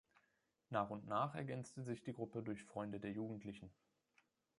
Nach und nach ergänzte sich die Gruppe durch Freunde der Jugendlichen.